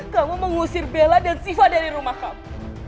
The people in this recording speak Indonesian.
kamu mengusir bella dan siva dari rumah kamu